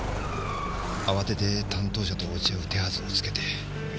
慌てて担当者と落ち合う手はずをつけて。